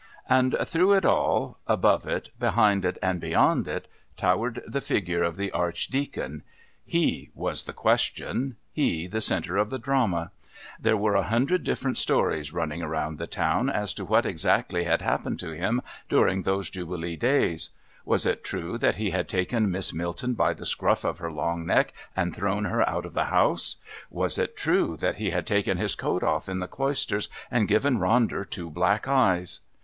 And through it all, above it, behind it and beyond it, towered the figure of the Archdeacon. He was the question, he the centre of the drama. There were a hundred different stories running around the town as to what exactly had happened to him during those Jubilee days. Was it true that he had taken Miss Milton by the scruff of her long neck and thrown her out of the house? Was it true that he had taken his coat off in the Cloisters and given Ronder two black eyes?